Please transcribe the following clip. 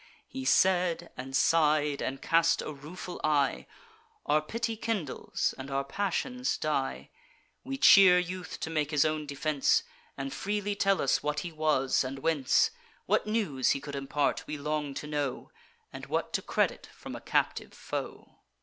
He said, and sigh'd, and cast a rueful eye: Our pity kindles, and our passions die. We cheer the youth to make his own defence, And freely tell us what he was, and whence: What news he could impart, we long to know, And what to credit from a captive foe.